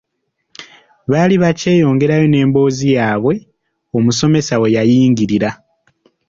Baali bakyeyongerayo n'emboozi yaabwe, omusomesa we yayingirira.